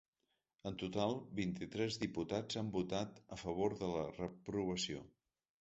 En total, vint-i-tres diputats han votat a favor de la reprovació.